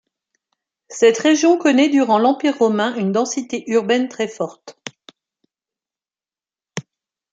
Cette région connaît durant l'Empire romain une densité urbaine très forte.